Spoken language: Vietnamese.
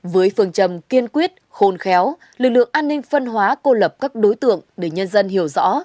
với phương trầm kiên quyết khôn khéo lực lượng an ninh phân hóa cô lập các đối tượng để nhân dân hiểu rõ